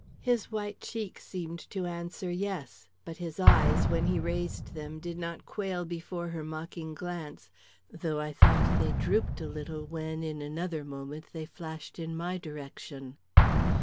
His white cheek seemed to answer Yes, but his eyes, when he raised them, did not quail before her mocking glance, though I thought they drooped a little when, in another moment, they flashed in my direction.